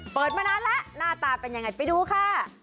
เปิดมานานแล้วหน้าตาเป็นยังไงไปดูค่ะ